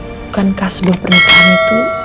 bukankah sebuah pernikahan itu